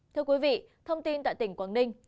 thưa quý vị thông tin tại tỉnh quảng ninh